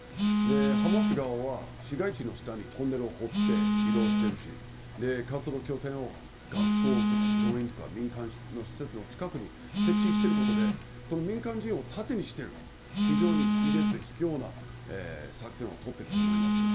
ハマス側は、市街地の下にトンネルを掘って移動しているし活動拠点を学校とか病院とか民間の施設の近くに設置してることで民間の人を盾にしている非常に卑劣、ひきょうな作戦を取っていると思います。